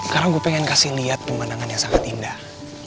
karena gue pengen kasih liat pemandangan yang sangat indah